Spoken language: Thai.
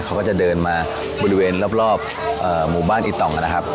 เขาก็จะเดินมาบริเวณรอบหมู่บ้านอิตองนะครับ